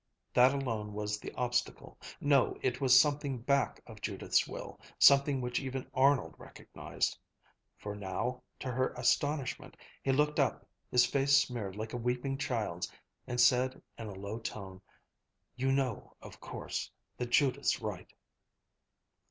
That alone was the obstacle no, it was something back of Judith's will, something which even Arnold recognized; for now, to her astonishment, he looked up, his face smeared like a weeping child's, and said in a low tone, "You know, of course, that Judith's right."